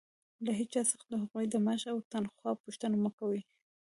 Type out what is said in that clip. له هيچا څخه د هغوى د معاش او تنخوا پوښتنه مه کوئ!